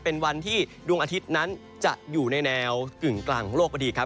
เป็นวันที่ดวงอาทิตย์นั้นจะอยู่ในแนวกึ่งกลางของโลกพอดีครับ